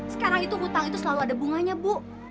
sekarang itu hutang itu selalu ada bunganya bu